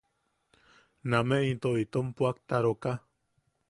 Name into itom puʼaktaroka.